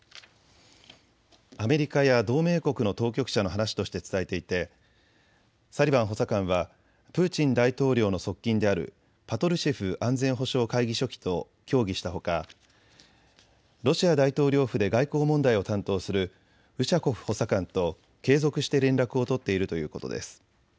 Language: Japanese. アメリカや同盟国の当局者の話として伝えていて、サリバン補佐官はプーチン大統領の側近であるパトルシェフ安全保障会議書記と協議したほか、ロシア大統領府で外交問題を担当するウシャコフ補佐官と継続して連絡を取っているということです。